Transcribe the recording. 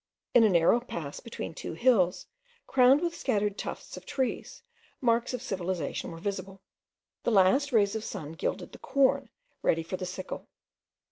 In a narrow pass between two hills, crowned with scattered tufts of trees, marks of cultivation were visible. The last rays of the sun gilded the corn ready for the sickle.